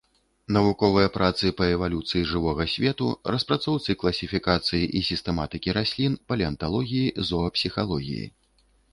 Навуковыя працы па эвалюцыі жывога свету, распрацоўцы класіфікацыі і сістэматыкі раслін, палеанталогіі, зоапсіхалогіі.